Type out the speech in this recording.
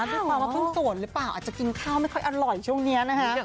ด้วยความว่าเพิ่งสวนหรือเปล่าอาจจะกินข้าวไม่ค่อยอร่อยช่วงนี้นะคะ